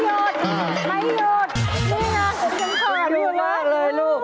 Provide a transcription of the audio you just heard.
นี่น่ะจะเต้นข่าถูกมากเลยลูก